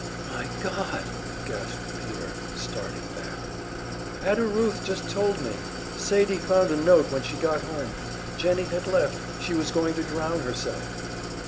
"My God!" gasped Peter, starting back. "Ada Ruth just told me. Sadie found a note when she got home. Jennie had left she was going to drown herself."